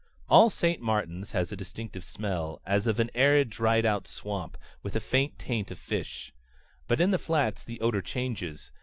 All St. Martin's has a distinctive smell, as of an arid dried out swamp, with a faint taint of fish. But in the Flats the odor changes.